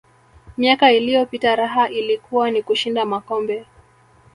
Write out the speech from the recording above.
miaka iliyopita raha ilikuwa ni kushinda makombe